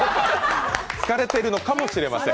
疲れてるのかもしれません。